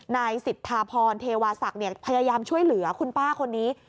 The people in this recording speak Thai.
นายสิทธาพรเทวาศักดิ์พยายามช่วยเหลือคุณป้าคนนี้